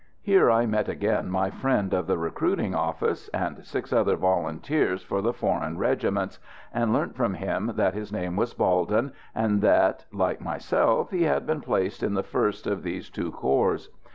Here I met again my friend of the recruiting office, and six other volunteers for the Foreign Regiments, and learnt from him that his name was Balden, and that, like myself, he had been placed in the first of these two corps.